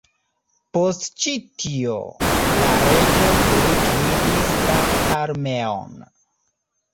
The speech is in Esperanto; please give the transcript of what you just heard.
Post ĉi tio, la reĝo likvidis la armeon.